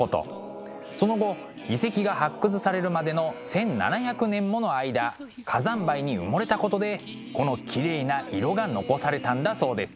その後遺跡が発掘されるまでの１，７００年もの間火山灰に埋もれたことでこのきれいな色が残されたんだそうです。